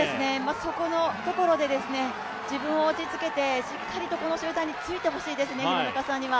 そこのところで自分を落ち着けてしっかりとこの集団についてほしいですね、廣中さんには。